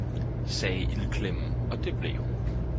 ' sagde ildklemmen, og det blev hun.